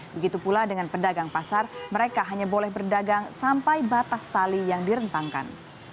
begitu pula dengan pedagang pasar mereka hanya boleh berdagang sampai batas tali yang direntangkan